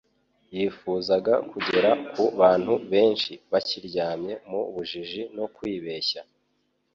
Yifuzaga kugera ku bantu benshi, bakiryamye mu bujiji no kwibeshya.